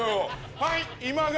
はい！